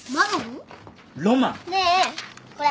ねえこれ。